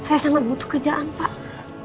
saya sangat butuh kerjaan pak